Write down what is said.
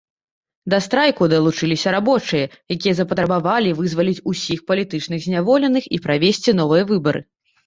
Да страйку далучыліся рабочыя, якія запатрабавалі вызваліць усіх палітычных зняволеных і правесці новыя выбары.